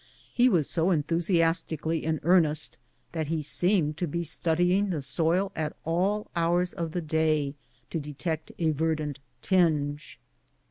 He was so enthusiastically in earnest that he seemed to be studying the soil at all hours of the day to detect a verdant tinge.